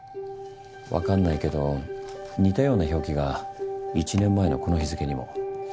わかんないけど似たような表記が１年前のこの日付にも。